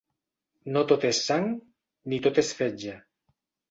No tot és sang ni tot és fetge.